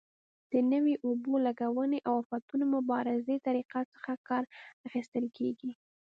د نویو اوبه لګونې او آفتونو مبارزې طریقو څخه کار اخیستل کېږي.